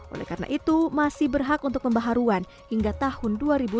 oleh karena itu masih berhak untuk pembaharuan hingga tahun dua ribu dua puluh